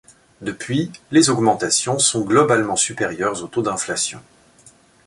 Depuis, les augmentations sont globalement supérieures au taux d'inflation.